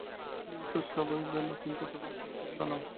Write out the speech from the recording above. আমার তো সবই গেল কিন্তু তবু আপদ চুকিল না।